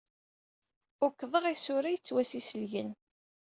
Ukḍeɣ isura yettwassiselgen.